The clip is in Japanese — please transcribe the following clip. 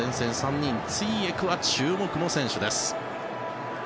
ツィエクは注目の選手です。